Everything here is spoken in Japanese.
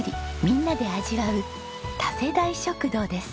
みんなで味わう多世代食堂です。